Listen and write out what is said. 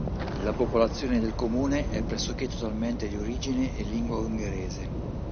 La popolazione del comune è pressoché totalmente di origine e lingua ungherese.